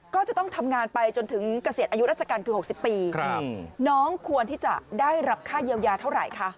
ก็จะต้องทำงานไปจนถึงเกษียณอายุราชการคือ๖๐ปีน้องควรที่จะได้รับค่าเยียวยาเท่าไหร่คะ